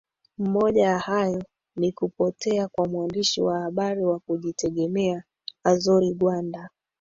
Mmoja ya hayo ni kupotea kwa mwandishi wa habari wa kujtegemea Azory Gwanda